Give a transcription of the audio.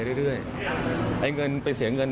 นิ้วแฟนผมครับ